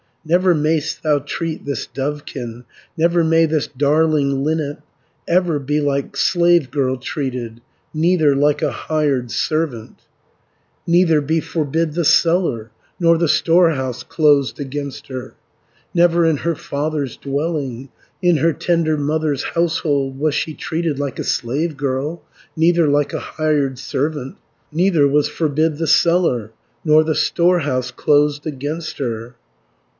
"Never may'st thou treat this dovekin, Never may this darling linnet, Ever be like slave girl treated, Neither like a hired servant, 150 Neither be forbid the cellar, Nor the storehouse closed against her Never in her father's dwelling, In her tender mother's household, Was she treated like a slave girl, Neither like a hired servant, Neither was forbid the cellar, Nor the storehouse closed against her.